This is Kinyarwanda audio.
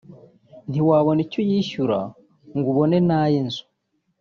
“Ntiwabona icyo uyishyura ngo ubone n’ayi nzu